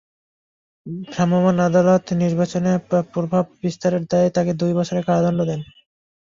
ভ্রাম্যমাণ আদালত নির্বাচনে প্রভাব বিস্তারের দায়ে তাঁকে দুই বছরের কারাদণ্ড দেন।